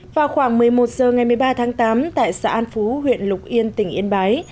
vào khoảng một mươi một h ngày một mươi ba tháng tám tại xã an phú huyện lục yên tỉnh yên bái